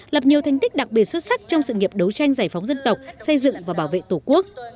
lập nhiều thành tích đặc biệt xuất sắc trong sự nghiệp đấu tranh giải phóng dân tộc xây dựng và bảo vệ tổ quốc